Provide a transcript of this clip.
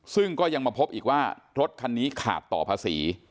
ซึ่งก็ยังมาพบอีกว่ารถคันนี้ขาดต่อภาษี